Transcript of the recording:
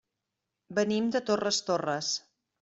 Venim de Torres Torres.